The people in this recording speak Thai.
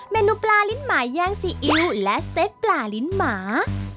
นูปลาลิ้นหมาแย่งซีอิ๊วและสเต็กปลาลิ้นหมา